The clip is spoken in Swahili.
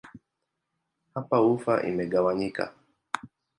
Hapa ufa imegawanyika.